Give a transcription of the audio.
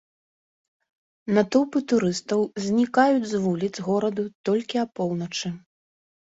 Натоўпы турыстаў знікаюць з вуліц гораду толькі апоўначы.